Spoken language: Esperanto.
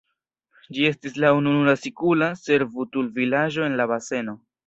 Ĝi estis la ununura sikula servutulvilaĝo en la baseno.